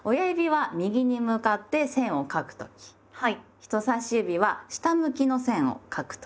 人さし指は下向きの線を書く時。